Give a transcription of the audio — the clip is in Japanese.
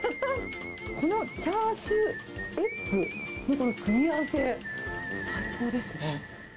このチャーシューエッグの組み合わせ、最高ですね。